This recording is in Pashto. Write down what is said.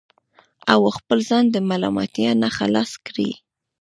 او خپل ځان د ملامتیا نه خلاص کړي